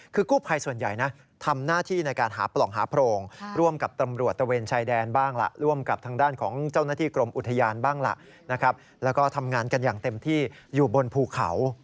คือกู้ภัยส่วนใหญ่นะทำหน้าที่ในการหาปล่องหาโพรงร่วมกับตำรวจตะเวนชายแดนบ้างล่ะร่วมกับทางด้านของเจ้าหน้าที่กรมอุทยานบ้างล่ะนะครับแล้วก็ทำงานกันอย่างเต็มที่อยู่บนภูเขา